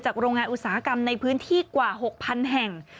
โรงงานอุตสาหกรรมในพื้นที่กว่า๖๐๐๐แห่ง